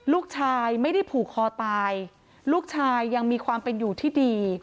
ลูกชายไม่ได้ผูกคอตายลูกชายยังมีความเป็นอยู่ที่ดี